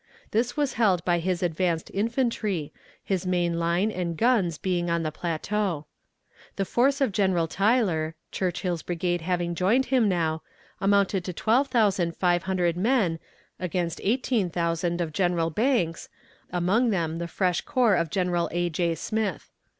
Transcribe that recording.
This was held by his advanced infantry, his main line and guns being on the plateau. The force of General Taylor Churchill's brigade having joined him now amounted to twelve thousand five hundred men against eighteen thousand of General Banks, among them the fresh corps of General A. J. Smith.